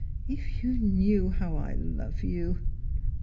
If you knew how I love you!